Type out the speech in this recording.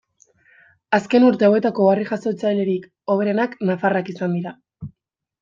Azken urte hauetako harri-jasotzailerik hoberenak nafarrak izan dira.